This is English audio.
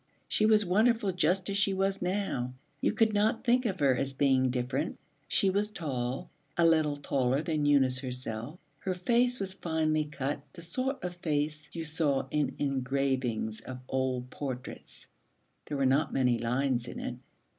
She was wonderful just as she was now. You could not think of her as being different. She was tall, a little taller than Eunice herself. Her face was finely cut, the sort of face you saw in engravings of old portraits; there were not many lines in it.